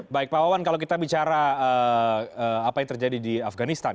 baik pak wawan kalau kita bicara apa yang terjadi di afganistan